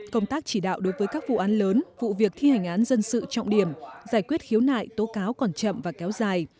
công tác chỉ đạo đối với các vụ án lớn vụ việc thi hành án dân sự trọng điểm giải quyết khiếu nại tố cáo còn chậm và kéo dài